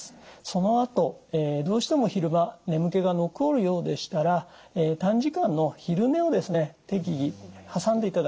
そのあとどうしても昼間眠気が残るようでしたら短時間の昼寝をですね適宜挟んでいただくのがいいと思います。